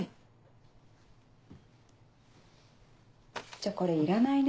じゃあこれいらないね。